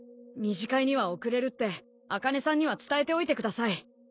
２次会には遅れるって茜さんには伝えておいてください。